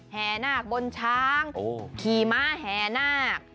แห่นาคบนช้างขี่ม้าแห่นาค